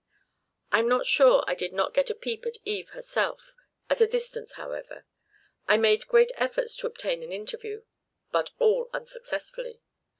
I 'm not sure I did not get a peep at Eve herself, at a distance, however. I made great efforts to obtain an interview, but all unsuccessfully.